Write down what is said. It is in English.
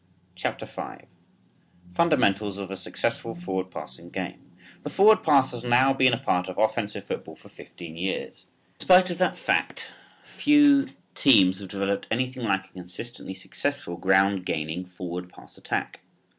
CHAPTER V. FUNDAMENTALS OF A SUCCESSFUL FORWARD PASSING GAME. The forward pass has now been a part of offensive football for fifteen years. In spite of that fact few teams have developed anything like a consistently successful ground gaining forward pass attack.